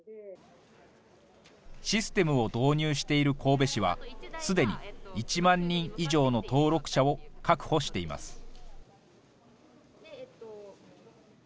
システムを導入している神戸市は、すでに１万人以上の登録者を確保しています。